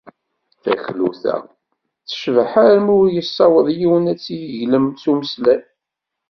Taklut-a tecbeḥ armi ur yessawaḍ yiwen ad tt-id-yeglem s umeslay.